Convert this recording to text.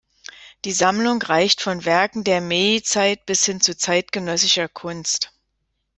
Die Sammlung reicht von Werken der Meiji-Zeit bis hin zu zeitgenössischer Kunst.